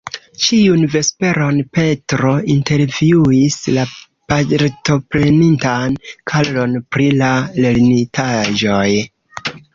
Ĉiun vesperon Petro intervjuis la partoprenintan Karlon pri la lernitaĵoj.